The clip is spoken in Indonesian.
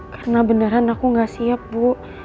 karena beneran aku nggak siap bu